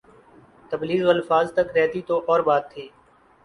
تبلیغ الفاظ تک رہتی تو اور بات تھی۔